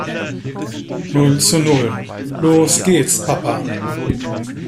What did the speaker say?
Null zu Null. Los gehts Papa.